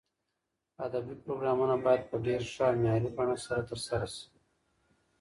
ادبي پروګرامونه باید په ډېر ښه او معیاري بڼه سره ترسره شي.